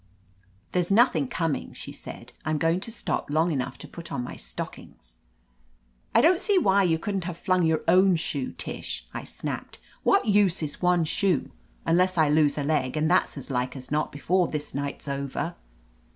"There's nothing coming," she said. "I'm going to stop long enough to put on my stock mgs. "I don't see why you couldn't have flung your own shoe, Tish," I snapped. "What use is one shoe ?— unless I lose a leg, and that's as like as not before this night's over."